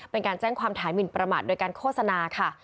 เป็นการแจ้งความฐานหมินประมาทโดยการโฆษณาค่ะ